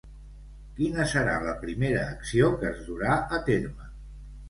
Quina serà la primera acció que es durà a terme?